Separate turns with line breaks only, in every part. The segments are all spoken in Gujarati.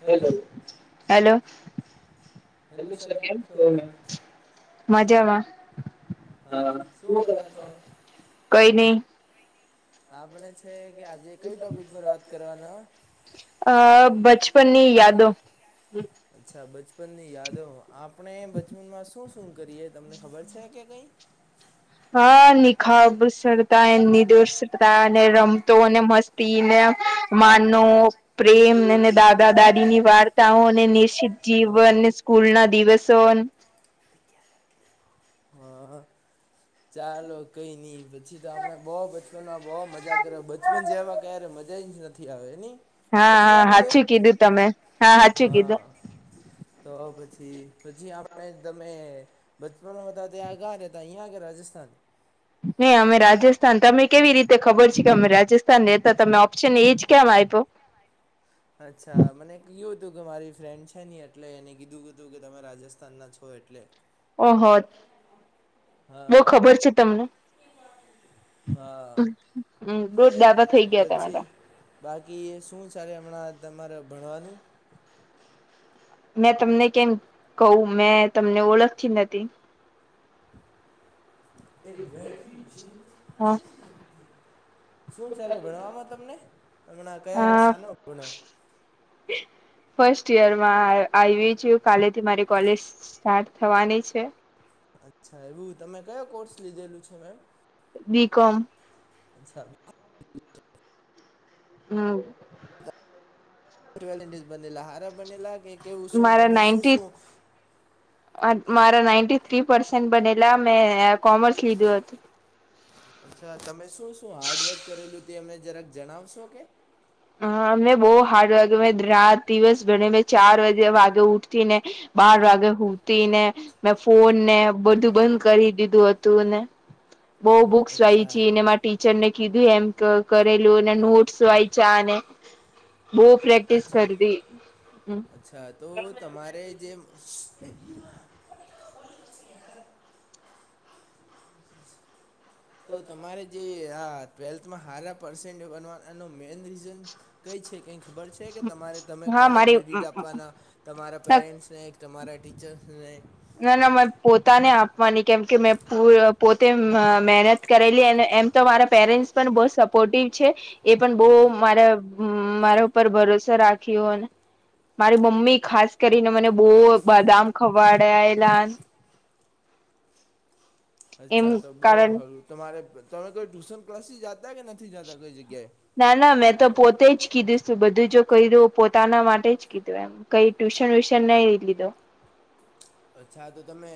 હેલો
હેલો
હેલો સર કેમ છો મેમ
મજામાં શ
અ, શું કરતા છો
કઈ નહી
આપણે છે કે આજે કઈ ટોપિક પર વાત કરવાના
અ બચપનની યાદો-
અચ્છા બચપન ની યાદો આપણે બચપનમાં શું- શું કરીએ તમને ખબર છે કે કઈ-
હા નિનીખાબ સરતા નિદોષતા અને રમતો અને મસ્ત તીન માનો પ્રેમ અને દાદા દાદીની વાર્તાઓ અનેને નિશ્ચિ
હા
જીવન સ્કૂલ ના દિવસો
હા ચાલો કઈ નઈ પછી તો આપડણે બહુ બચપનમાં બહુ મજા કર બચપન જવા ક્યારે મજા જ નથી આવે સાચી
હા
વાત કે
સાચું કીધું તમે હા સાચું કીધું
હા- તો પછી પછી આપણે તમે બચપનોમાં હતા ત્યાં ગયા રેતા અહીંયાગ- રાજસ્થાન [unintelligible]
નહી અમે રાજસ્થાન તમે કેવી રીતે ખબર છે કે અમે રાજસ્થાન રહેેતા તમે ઓપ્શન એજ કેમ આપ્યો-
અચ્છા મને કીયું હતું કે મારી ફ્રેન્ડ છે ન એટલે એને કીધું હતું કે તમે રાજસ્થાન ના છો- એવું એટલે [unintelligible]
ઓહ બહ ખબર છે. તમને-
ઇપ [unintelligible] હા-
હમ બુ ડાબ-
પછી બાકી શું ચાલે હમણાં તમારે ભણવાનું-
મેં તમને કેમ કહું મેં તમને ઓળખતી નથી-
એક બેટરી-
હા
શું ચાલે ભણવામાં તમને હમણાં કયા સાનો ભણાવ-
ફસ્ટ યરમાં આવી કાલેથી મારી કોલેજ ચાલુ - થવાની છે.
અચ્છા, એવું તમે કયા કોર્સ લીધેલું છે, મેમ?
બી. કોમ.
અચ્છા.
હમ
ન્ઝ બનેલા હારા બનેલા કે કેવું શું
મારા
તમે શું
નાઈન્ટી
શું?
મારા નાઈન્ટી થ્રી પસે બનેલા મેં કોમર્સ લીધું હતું.
અચ્છા તમે શું શું હાર્ડવર્ક કરેલું અમે જરાક જણાવશો કે?
હ અમને બહ હાર્ડ વર્ક અ રાત દિવસ ગણે મે ચાર વાગે વાગે ઉઠી ને- બહાર વાગે હુંતી ને- મેં ફોન ને બધું બંધ કરી દીધું હતું ને- બહુ બુક્સ વાય
અચ્છા
છી એને મા ટીચર ને કીધું એમ કરેલું એ નોટસ વાય- ચને ભૂપ [unintelligible]
અચ્છા અચ્છા તો તમારે જે- તો તમારે જે આ- ટ્વેલ્થમાં હાર પર્સેન્ટ બનવા એનો મેઈન રીઝન- કંઈ છે કંઈ ખબર છે કે તમારે તમે
હા
કોને
મારી
ક્રેડિટ આપવાના? તમારા પેરેન્ટ્સને? તમારા ટીચર્સ ને
ના, ના, મે પોતાને આપવાની, કેમ કે મેં પોતે મહેનત કરેલી અને એમ તો મારા પેરેન્ટસ પણ બહ સપોર્ટિવ છે. એ પણ બહ
હમ
મારા મારા ઉપર ભરોસો રાખ્યો ને. મારી મમ્મી ખાસ કરીને મને બહુ બદામ ખવડાવે. એમ
અચ્છા, તો બહુ
કારણ
હારું. તમારે તમે કોઈ ટ્યુશન ક્લાસથી જાતા કે નથી જતા કોઈ જગ્યાએ?
ના, ના, મેં તો પોતે જ કીધું બધું. જો કહ્યું પોતાના માટે જ કીધું એમ. કઈ ટ્યુશન-વ્યુશન નઈ લીધું.
અચ્છા, તો તમે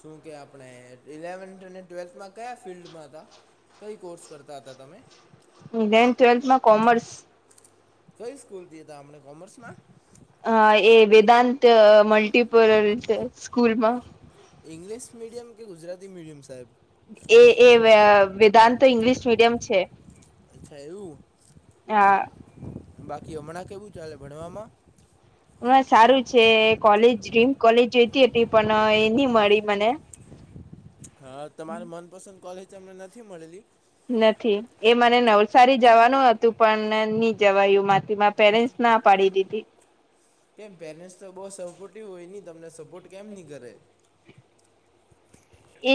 શું કે, આપણે ઇલેવન્થ અને ટ્વેલ્થમાં કયા ફિલ્ડમાં હતા? કઈ કોર્સ કરતા હતા તમે?
ઈલેવન ટ્વેલ્થમાં કોમર્સ.
કઈ સ્કૂલ થી હતા? આપણે કોમર્સ માં?
અ એ વેદાંત મલ્ટીપોલ સ્કૂલમાં.
ઇંગ્લિશ મીડિયમ કે ગુજરાતી મીડિયમ, સાહેબ?
એ, એ વેદાંત તો ઇંગ્લિશ મીડિયમ છે.
અચ્છા, એવું.
હા
બાકી હમણાં કેવું ચાલે ભણવામાં?
હ, સારું છે. કોલેજ ડ્રીમ કોલેજ જોઈતી હતી, પણ એ નહીં મળી મને.
હા, તમારે મનપસંદ કોલેજ તમને નથી મળેલી?
નથી, એ મને નવસારી જવાનું હતું, પન ની જવાયું મારથી માર પેરેન્ટ્સ ના પાડી દીધી.
કેમ પેરેન્ટ્સ તો બહુ સપોર્ટિવ હોય ને તમને સપોર્ટ કેમ ની કરે?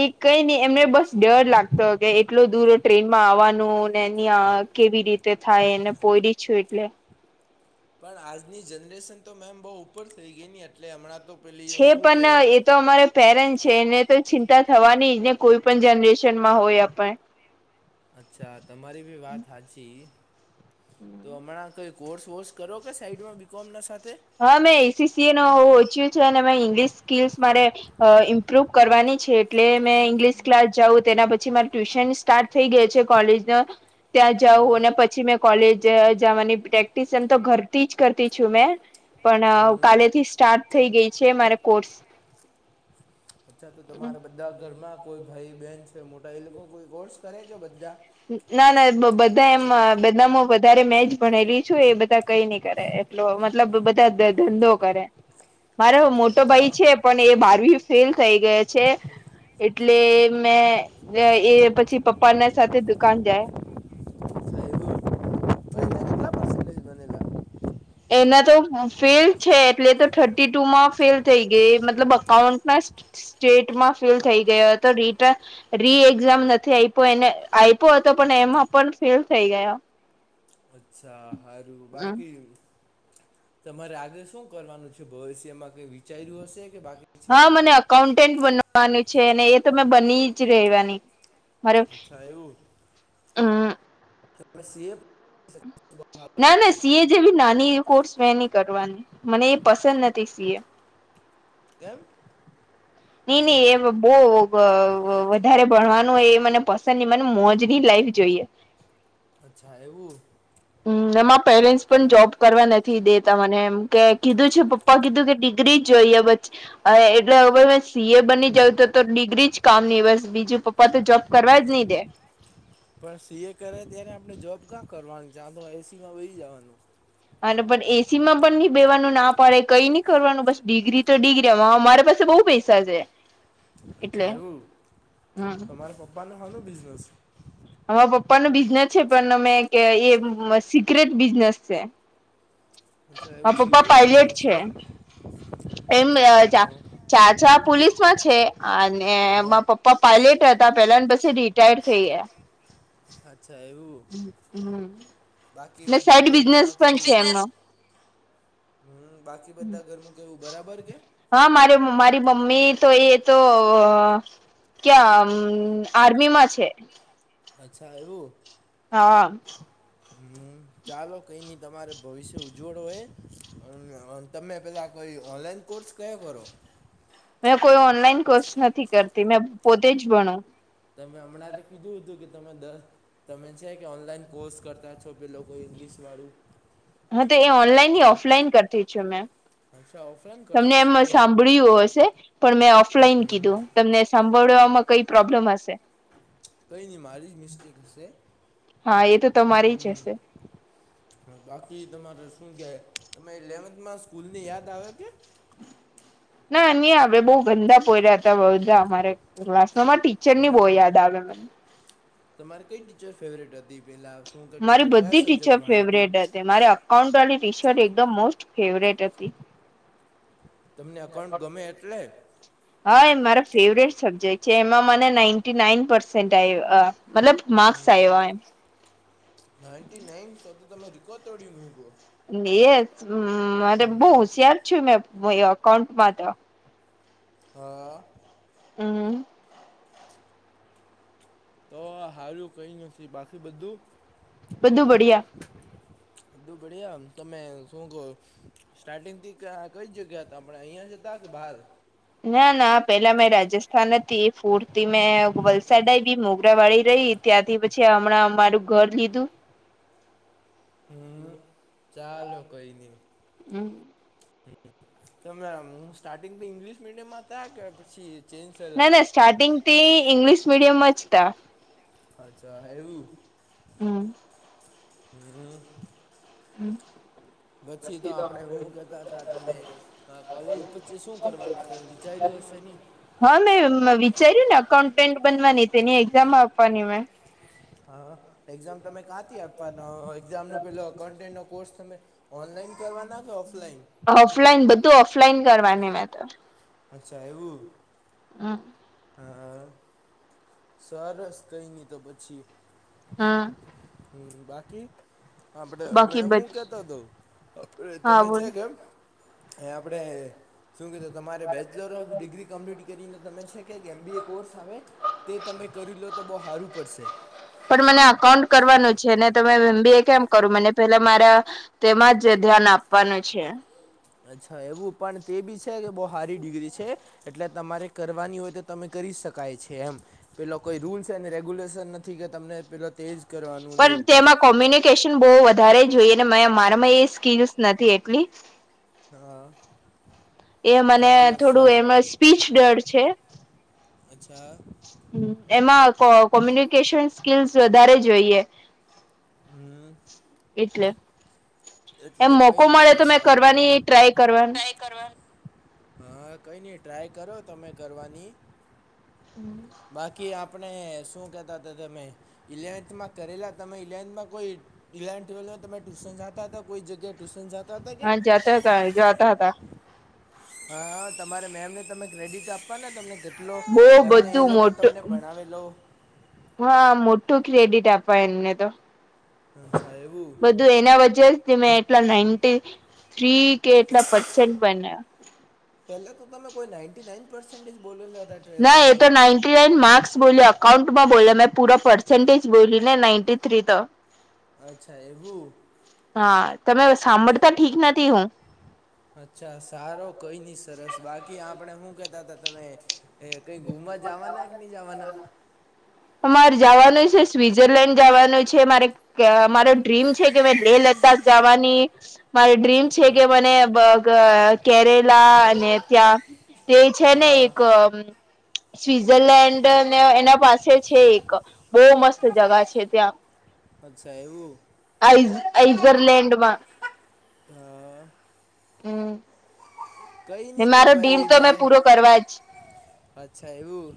એ કઈ ની એમને બસ ડર લાગતો કે એટલો દૂર ટ્રેનમાં આવવાનું ને, ની આ કેવી રીતે થાય એને પોયડી છું એટલે.
પણ આજની જનરેશન તો, મેમ, બહુ ઉપર થઈ ગઈ ની એટલે હમણાં તો પેલી
છે
શું
પન
કે
એ તો અમારે પેરેન્ટ છે એને તો ચિંતા થવાની જ ને, કોઈ પણ જનરેશનમાં હોય આપણે.
અચ્છા, તમારી બી વાત હાચી.
હમ
તો હમણાં કઈ કોર્સ-વોર્સ કરો કે સાઈડમાં બીકોમ ના સાથે?
હહ મેં એસીસીએ નો વોચ્યું છે ને મેં ઈંગ્લિશ સ્કિલ્સ મારે અ ઇમ્પ્રુવ કરવાની છે. એટલે મેં ઇંગ્લિશ ક્લાસ જાઉં તેના પછી માર ટ્યુશન સ્ટાર્ટ થઈ ગયું છે કોલેજનો. ત્યાં જઉં
હા
અને પછી મેં કોલેજ જાવાની પ્રેક્ટિસ એમ તો ઘરથી જ કરતી છું મેં. પણ
હમ
કાલેથી સ્ટાર્ટ થઈ ગઈ છે મારે કોર્સ.
અચ્છા તો તમારે બધા ઘરમાં કોઈ ભઈ, બેન છે મોટા એ લોકો કોઈ કોર્સ કરે કે બધા?
ના ના બધા એમ બધામાં વધારે મેજ ભણેલી છું. એ બધા કંઈ ની કરે એ ટલો મતલબ બધા ધંધો કરે.
[inaudible]
મારો મોટો
અચ્છા
ભાઈ છે, પણ એ બારવી ફેલ થઈ ગયો છે. એટલે મેં એ પછી પપ્પાના સાથે દુ કાન જાય.
એવું મહિને
હમ
[inaudible]
એના તો ફેલ છે, એટલે તો થર્ટી-ટુમાં ફેલ થઈ ગઈ એ મતલબ અકાઉન્ટના સ્ટે સ્ટેટમાં ફેલ થઈ ગયો હતો. રીટ રી એક્ઝામ નથી આપ્યો. એને આપ્યો હતો પણ એમાં પણ ફેલ થઈ ગયો.
અચ્છા, હારું. બાકી તમારે આગળ શું કરવાનું છે? ભવિષ્યમાં કઈ વિચાર્યું હશે કે બાકી? છે
હહ મને અકાઉન્ટેન બનવાનું છે ને એ તો મેં બની જ રેવાની. મારો
અચ્છા એવું
અ
તમે સીએ
ના ના સીએ જેવી નાની એવી કોર્સ મેં ની કરવાની. મને એ પસંદ નથી સીએ.
કેમ?
નહીં નહીં એ બોવ વધારે ભણવાનું હોય એ મને પસંદ ની મને મોજની લાઈફ જોઈએ.
અચ્છા એવું?
હમ્મ એમાં પેરેન્ટ્સ પણ
તમે
જોબ કરવા નથ થી દેતા મને એમ કે કીધું છે પપ્પા કીધું કે ડિગ્રી જ જોઈએ [inaudible] હા એટલે હવે વે જ સીએ બની જાવું તો તો ડિગ્રી જ કામની બસ બીજું પપ્પા તો જોબ કરવા જ ની દે.
પણ સીએ કરે ત્યારે આપણે જોબ કા કરવાનું છે, આ તો એસીમાં બેહી જાવાનું.
હા તો પણ એસી માં પણ નઈ બેવાનું ના પાડે કંઈ નહી કરવાનું બસ ડિગ્રી તો ડિગ્રીમાં અમારે પાસે બહુ પૈસા સા છે. એટલે
અચ્છા એવું.
હમ
તમારા પપ્પાને હાનો બિઝનેસ?
અમારા પપ્પાનો બિઝનેસ છે પણ અમે એ સિક્રેટ બિઝનેસ છે.
અચ્છા
માર
એવું
પપ્પા
સિગરેટ
પાઇલોટ
બિઝનેસ
છે. એમ અ ચા
હા
ચાચા પુલીસમાં છે, અને
હા
માર પપ્પ પાયલેટ હતા પેલા પછી એ રિટાયર્ડ થઈ ગયા.
અચ્છા એવું?
હમ
બાકી
ને
બધું
સાઈડ
ઘરમાં
બિઝનેસ
કે
પણ છે એમનો
હમ્મ બાકી બધા ઘરમ કેવું બરાબર કે?
હા મારે મારી મમ્મી તો એ તો ક્યાં અ આર્મી માં છે.
અચ્છા એવું?
હા
હમ્મ ચાલો કંઈ નહીં તમારે ભવિષ્ય ઉજ્વળ હોય. એ તમે પહેલાં કોઈ ઓનલાઈન કોર્સ કયો કરો?
મેં કોઈ ઓનલાઈન કોર્સ નથી કરતી મેં પોતે જ ભણું.
તમે હમણાં તો કીધું હતું કે તમે દસ તમે છે કે ઓનલાઈન કોર્સ કરતા છો પેલો કોઇ ઇંગ્લિશ વાળું
હા તો એ ઓનલાઈન ની ઓફલાઈન કરતી છું મેં.
અચ્છા ઓફલાઈન
તમને
કરતા
એમ
છો
સાંભળ્યું હશે પણ મેં ઓફલાઈન
હમ
કીધું તમને સાંભળવામાં કંઈ પ્રોબ્લેમ હશે?
કંઈ નહી મારી જ મિસ્ટીક હશે.
હા એ તો તમારી જ
હમ્મ.
હશે
હ બાકી તમારે શું કે તમે ઇલેવન્થમાં સ્કૂલ ની યાદ આવે કે
ના નહી આપડે બહુ ગંદા પોર્યા હતા બધા અમારેસમાં
હમ તમારે કઈ ટીચર ફેવરેટ હતી પેલા શું કે ટીચર કયા સબ્જેક્ટ ભણાવતી
મારે અકાઉન્ટવાલી ટીસર એકદમ મોસ્ટ ફેવરેટ હતી.
તમને અકાઉન્ટ ગમે એટલે
[inaudible] હા એ મારા ફેવરેટ સબ્જેક્ટ છે એમાં મને નાન્ટી નાઇન પરસે સેન્ટ મતલબ માર્કસ આયવા એમ
નાન્ટી નાઈન શો તો તમે રિકકોર્ડ તોડી મુઇકો
યેશ મારે બહ હોશિયાર છું મેં અકાઉન્ટમાં તો
હા
હમ્મ
તો આ હારૂ કંઈ નથી બાકી બધું
બધું બડિયા
બધું બડિયા તમે શું કહો સ્ટાર્ટિંગથી કઈ જગ્યા હતા આપણે અહીંયા જતા કે બહાર
ના ના પેલા મેં રાજસ્થાન હતી ફૂર થી મેં
હમ
વલસાડા બી મોગ વાળી રહી ત્યાંથી પછી હમણાં મારું ઘર લીધું
હમ ચાલો કઈ નને
હમ
તમે સ્ટાર્ટિંગ તો ઈંગ્લિશ મીડિયમ માં થ કે પછી ચેન્જ થયેલા
ના ના સ્ટાર્ટિંગ થી ઇંગ્લિશ મીડિયમમાં જ ત
અચ્છા એવું
હમ
હમ્મ
હમ
પછી તો આપડણે શું કતા હતા તમે કોલેજ પછી શું કરવાના ક ચારું હશે ન
હા મેં વિચાર્યું ને અકાઉન્ટન્ટ બનવાની તેની એક્ઝામ આપવાની મેં
હા એક્ઝામ તમે કાંથી આપવાનો એઝામ ન પેલો એકાઉન્ટન્ટ નો કોર્સ તમે ઓનલાઈન કરવાના કે ઓફલાઈન
ઓફલાઈન બધું ઓફલાઈન કરવાની મે તો
અચ્છા એવું
હમ
હા સરસ કહી તો પછીએ
હમ
હમ બાકી હા બ
બાકી
મેં હું
બધ
કેતો હતો
હા
તમે
બોલ
છે કેમ એ આપણે શું કીધું તમારે બેચલર ઓફ ડિગ્રી કમ્પ્લીટ કરીને તમે છે કે એમ બી એ કોર્સ આવે તે તમે કરી લો તો બહુ સારું પડશે
પણ મને એકાઉન્ટ્સ કરવાનું છે ને તમે એમબી એ કેમ કરો મને પેલા મારા તેમાં જ ધ્યાન આપવાનું છે.
અચ્છા એવું પણ તે બી છે કે બહુ હારી ડિગ્રી છે. એટલે તમારે કરવાની હોય તો તમે કરી શકાય છે એમ પેલો કોઈ રૂલ્સ અને રેગ્યુલેશન નથી કે તમને પેલો તેજ
પણ તેમાં કોમ્્યુને બ વધારે જોઈએ મારામાં એ સ્કીલસ નથી એટલી
હા
એ મને
ચાલો સા
થોડું એમાં સ્પીચ ડર છે.
અચ્છા
હ એમાં કો કોમ્યુનિકેશન સ્કીલ્સ વધારે જોઈએ
હમ
એટલે એમ
એટલે
મોકો
કંઈ
મળે
નથી
તો મેં
સારું
કરવાની
એમ
ટ્રાય કરવાનું
હા કઈ નહી ટ્રાય કરો તમે કરવાની
હમ
બાકી આપણે શું કહેતા હતા, તમે ઇલેવન્થમાં કરેલા તમે ઇલેવન્થમાં કોઈ ઇલેવન ટ્વેલ્વમાં તમે ટ્યુશન જાતા હતા કોઈ જગ્યા ટ્યુશન જાતા
હા જાતા હતા જતા હતા.
હા તમારે મેમને તમે ક્રેડિટ આપવા ને તમને એટલો
બહ
એમને એ
બધું
લોકો તમને
મોટું
ભણાવેલો
હા મોટું ક્રેડિટ આપવા એમને તો
અચ્છા એવું
એના વચ્ે જ તમે એટલા નાન્ટી થ્રી કે એટલા પસેન્ટ બન્યા
પહેલા તો તમે કોઈ નાઈન્ટી નાઈન પર્સેન્ટેજ બોલેલા હતા ટ્વેલ્થમાં
માર્સ બોલ અકાઉન્ટમાં બોલ મેં પૂરા પર્સન્ટેજ બોલી ને નાઇન્ટી થ્રી તો
અચ્છા એવું
હા તમે
ચ
સાંભળતા ઠીક નથી હું
અચ્છા સારો કોઈ નહી સરસ બાકી આપણે શું કહેતા હતા તમે એ કંઈ ઘુમવા જવાના કે નહીં જવાના
અમારે જવાનું છે સ્વિઝરલેન્ડ જવાનું છે, મારે કે મારો ડ્રીમ છે કે મેં લેહ લદ્દાખ જવાની મારી ડ્રીમ છે
હા
કે મને કેરેલા અને ત્યાં તે છે ને
હા
એક સ્વઝરલેન્ડ ને એના પાસે છે, એક બહુ મસ્ત જગા છે ત્યાં
અચ્છા એવું
ઝઈઝરલાન્ડમાં
અ
હમ
કંઈ નહીં તો
મારો ડીમ
ભાઈ
તો મેં પૂરો કરવા જ
અચ્છા એવું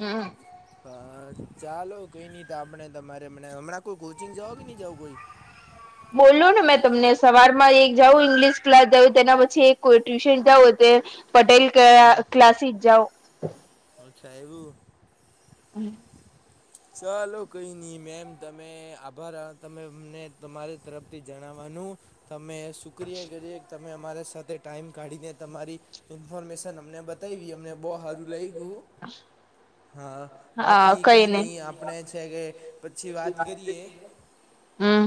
હમ.
હા ચાલો કઈ નઈ તો આપણે તમારે હમણાં કોઈ કોચિંગ જવઓ કે નહી જવું કોઈ.
બોલું ને મેં તમને સવાર માં એક જાઉં ઈંગ્લિશ ક્લાસ જઉ તેના પછી એક ટ્યુશન જાઉું. પટેલ ક ક્લાસી જાઓ.
હ [unintelligible] હછા એવું.
હમ.
ચાલો કંઈ નહીં મેમ તમે આભાર તમે અમને તમારી તરફથી જણાવવાનું. તમે શુક્રિયા કરીએ કે તમે અમારા સાથે ટાઈમ કાઢીને તમારી. ઇન્ફોર્મેશન અમને બતાવી અમને બહુ સારું લઈ ગયું. હા
હા
બાકી કઈ.
કઈને
ની આપણે છે કે પછી વાત કરીએ.
હમ.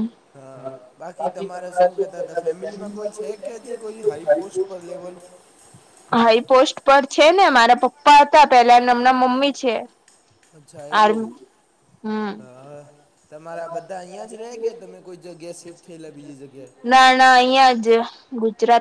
હા બાકી
તમારે
તમારા
શું
શ
કહેતા હતા
પેલા
ફેમિલીમાં કોઈ
ફમમાં
કે
છે.
હજી કોઈ હાઈ પોસ્ટ પર લેવલ
[unintelligible] હા એ પોસ્ટ પર છે ને મારા પપ્પા હતા પેલા એ હમના મમ્મી છે.
અચ્છા એવું
આર્મી
હ.
હમ.
તમારા બધા અહીંયા જ રહે કે તમે કોઈ જગ્યા શિફ્ટ થયેલા બીજી જગ્યાએ.
ના ના અહિયાં જ ગુજરાત.